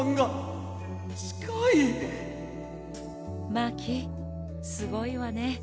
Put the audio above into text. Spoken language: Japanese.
マーキーすごいわね。